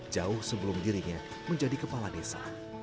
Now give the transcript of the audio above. jauh sebelum dirinya menjadi kepala desa